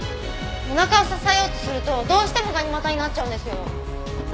お腹を支えようとするとどうしてもガニ股になっちゃうんですよ。